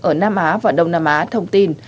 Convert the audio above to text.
ở nam á và đông nam á thông tin